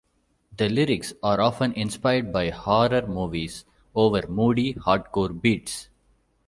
The lyrics are often inspired by horror movies over moody, hardcore beats.